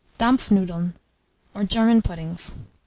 DAMPFNUDELN, or GERMAN PUDDINGS.